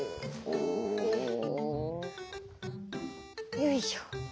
よいしょ。